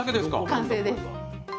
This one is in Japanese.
完成です。